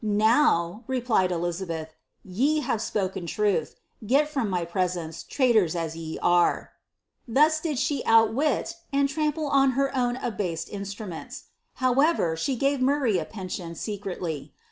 '' (fow,'^ replied Elizabeth, ^ye have spoken truth. Get from my »oe ; traitors, as ye are." ' Thus did she outwit, and trample on vwn abased instruments. However, she save Murray a pension, se y.